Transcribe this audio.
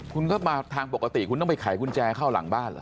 คุณก็มาทางปกติคุณต้องไปไขกุญแจเข้าหลังบ้านเหรอ